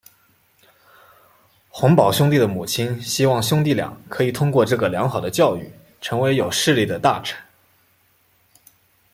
洪堡兄弟的母亲希望兄弟俩可以通过这个良好的教育成为有势力的大臣。